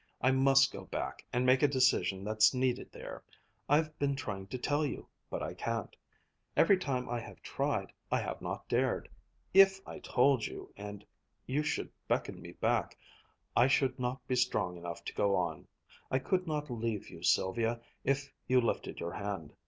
I must go back, and make a decision that's needed there. I've been trying to tell you. But I can't. Every time I have tried, I have not dared. If I told you, and you should beckon me back, I should not be strong enough to go on. I could not leave you, Sylvia, if you lifted your hand.